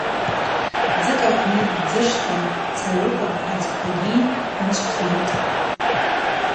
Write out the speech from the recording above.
Дзыкӏ апны ддзышта дцарыквын адзквагьи хӏвынчӏвхитӏ.